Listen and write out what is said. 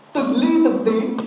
từng ly từng tí